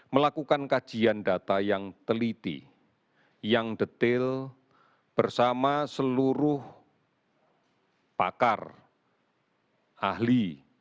melakukan kajian data yang teliti yang detail bersama seluruh pakar ahli